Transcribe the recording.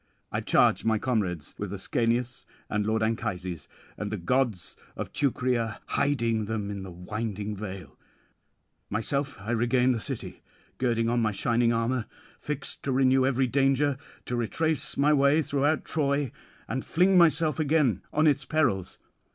I charge my comrades with Ascanius and lord Anchises, and the gods of Teucria, hiding them in the winding vale. Myself I regain the city, girding on my shining armour; fixed to renew every danger, to retrace my way throughout Troy, and fling myself again on its perils.